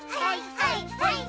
はいはい！